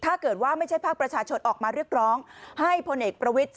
ถ้าเกิดว่าไม่ใช่ภาคประชาชนออกมาเรียกร้องให้ผลเอกประวิทย์